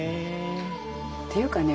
っていうかね